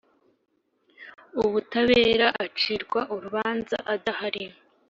Ubutabera acirwa urubanza adahari